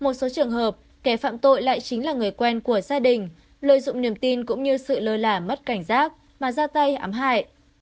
một số trường hợp kẻ phạm tội lại chính là người quen của gia đình lợi dụng niềm tin cũng như sự lơ là mất cảnh giác mà ra tay ám hại